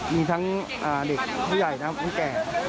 มีทั้งเด็กผู้ใหญ่นะครับผู้แก่